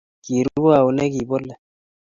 Kiruee au negibolet?